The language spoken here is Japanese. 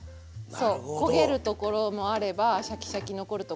そう焦げるところもあればシャキシャキ残るところも。